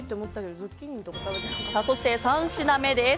そして３品目です。